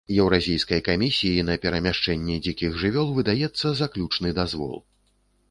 Еўразійскай камісіі на перамяшчэнне дзікіх жывёл выдаецца заключны дазвол.